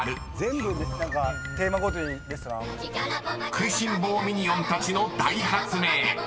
［食いしん坊ミニオンたちの大発明！］